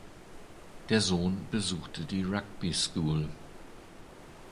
Der Sohn besuchte die Rugby School.